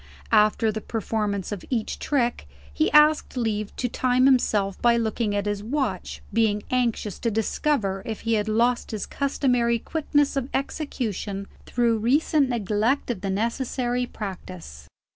After the performance of each trick, he asked leave to time himself by looking at his watch; being anxious to discover if he had lost his customary quickness of execution through recent neglect of the necessary practice.